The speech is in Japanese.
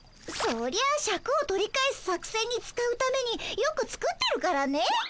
そりゃシャクを取り返す作戦に使うためによく作ってるからね。